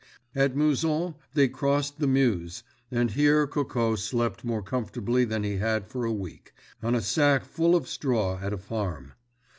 At Mouzon they crossed the Meuse, and here Coco slept more comfortably than he had for a week, on a sack full of straw at a farm.